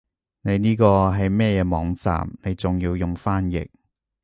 你呢個係乜嘢網站你仲要用翻譯